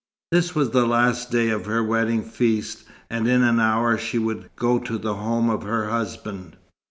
This was the last day of her wedding feast, and in an hour she would go to the home of her husband.